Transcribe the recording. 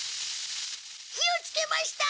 火をつけました！